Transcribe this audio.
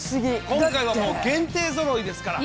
今回は限定ぞろいですから。